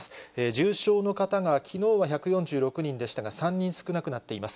重症の方がきのうは１４６人でしたが、３人少なくなっています。